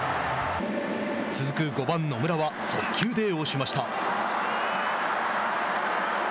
続く５番野村は速球で押しました。